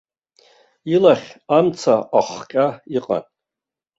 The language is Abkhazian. Илахь амца ахҟьа иҟан.